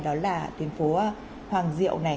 đó là tuyến phố hoàng diệu này